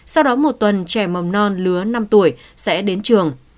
sau đó một tuần trẻ mầm non lứa năm tuổi sẽ đến trường